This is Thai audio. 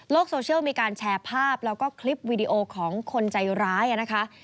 โซเชียลมีการแชร์ภาพแล้วก็คลิปวีดีโอของคนใจร้ายนะคะ